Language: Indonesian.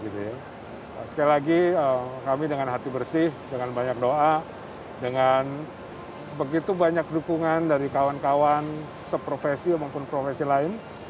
sekali lagi kami dengan hati bersih dengan banyak doa dengan begitu banyak dukungan dari kawan kawan seprofesi maupun profesi lain